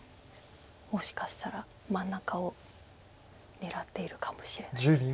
もしかしたら真ん中を狙っているかもしれないです。